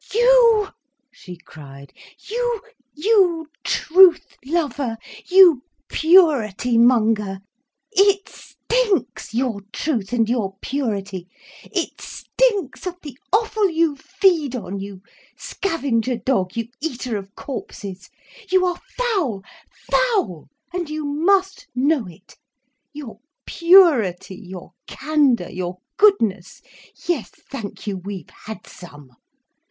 "You!" she cried. "You! You truth lover! You purity monger! It stinks, your truth and your purity. It stinks of the offal you feed on, you scavenger dog, you eater of corpses. You are foul, foul—and you must know it. Your purity, your candour, your goodness—yes, thank you, we've had some.